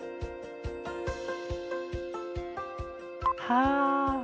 はあ。